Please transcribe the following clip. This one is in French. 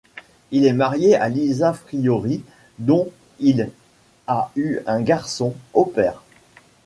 Il est marié à Lisa Fiori dont il a eu un garçon, Hopper.